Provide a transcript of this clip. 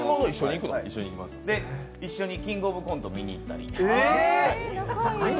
で、一緒に「キングオブコント」見に行ったり。